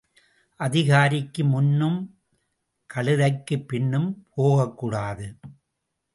அதிகாரிக்கு முன்னும் கழுதைக்குப் பின்னும் போகக்கூடாது.